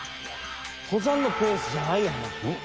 登山のペースじゃないよ。